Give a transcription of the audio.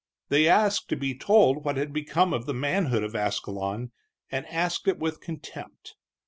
They asked to be told what had become of the manhood of Ascalon, and asked it with contempt.